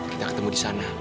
kita ketemu disana